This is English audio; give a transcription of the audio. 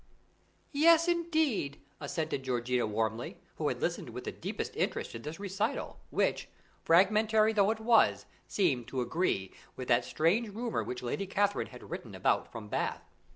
"Yes, indeed," assented Georgiana warmly, who had listened with the deepest interest to this recital, which, fragmentary though it was, seemed to agree with that strange rumour which Lady Catherine had written about from Bath.